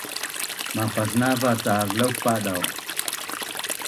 mapasnava’ cak laupadau